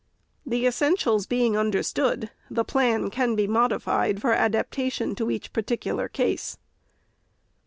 The essentials being understood, the plan can be modified for adaptation to each particular case.